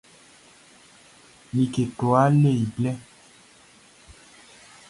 Like kwlaa le i blɛ.